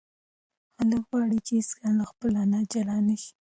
هلک غواړي چې هیڅکله له خپلې انا جلا نشي.